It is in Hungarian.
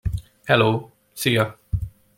Helló, szia!